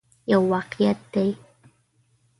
یو واقعیت دی.